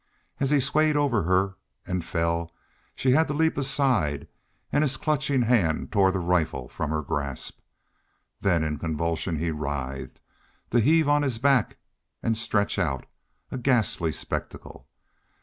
As he swayed over her and fell she had to leap aside, and his clutching hand tore the rifle from her grasp. Then in convulsion he writhed, to heave on his back, and stretch out a ghastly spectacle.